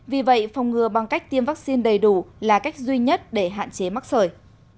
vì vậy phòng ngừa bằng cách tiêm vaccine đầy đủ là cách duy nhất để hạn chế mắc sởi